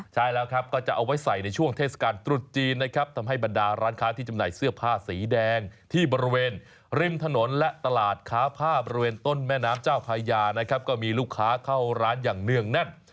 ใช่แล้วครับก็จะเอาไว้ใส่ในช่วงเทศกาลตรุษจีนนะครับทำให้บรรดาร้านค้าที่จำหน่ายเสื้อผ้าสีแดงที่บริเวณริมถนนและตลาดค้าผ้าบริเวณต้นแม่น้ำเจ้าคายานะครับก็มีลูกค้าเข้าร้านอย่างเนื่องแน่น